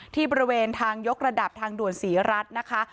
ที่บริเวณทางยกระดับทางด่วนศรีรัฐนะคะ